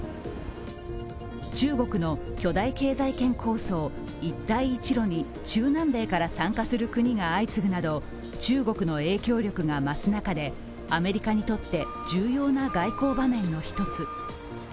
中国の巨大経済圏構想、一帯一路に中南米から参加する国が相次ぐなど中国の影響力が増す中でアメリカにとって重要な外交場面の一つ。